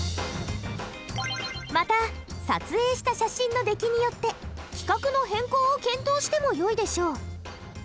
また撮影した写真の出来によって企画の変更を検討してもよいでしょう。